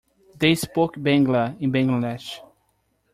They spoke Bangla in Bangladesh.